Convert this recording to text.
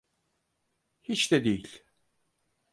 Hiç de değil.